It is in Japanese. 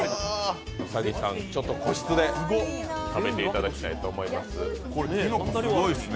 兎さん、ちょっと個室で食べていただきたいと思います。